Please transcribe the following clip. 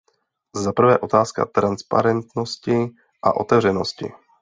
Zaprvé otázka transparentnosti a otevřenosti.